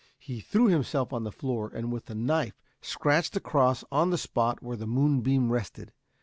He threw himself on the floor, and with his knife scratched a cross on the spot where the moonbeam rested.